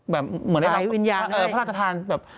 แบบเหมือนแบบพระราชทานแบบฝ่ายวิญญาณให้